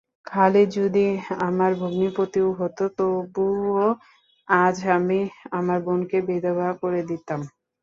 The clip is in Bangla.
খালিদ যদি আমার ভগ্নিপতিও হত তবুও আজ আমি আমার বোনকে বিধবা করে দিতাম।